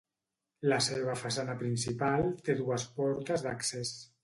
La seva façana principal té dues portes d'accés.